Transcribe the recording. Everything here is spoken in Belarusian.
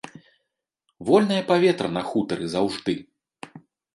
Вольнае паветра на хутары заўжды.